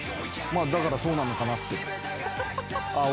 だからそうなのかなって。